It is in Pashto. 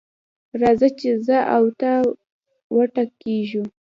راځه چې زه او ته وټکېږو.